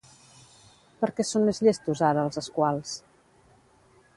Per què són més llestos ara els esquals?